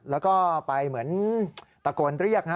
แล้วก็ไปเหมือนตะโกนเรียก